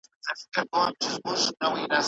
زه که مهم نه وای نو ولي به راتلم .